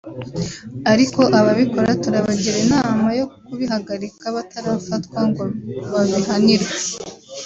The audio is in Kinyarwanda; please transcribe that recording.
ariko ababikora turabagira inama yo kubihagarika batarafatwa ngo babihanirwe